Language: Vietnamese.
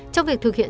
trong việc thực hiện